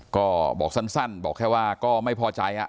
ก็บอกสั้นบอกแค่ว่าก็ไม่พอใจ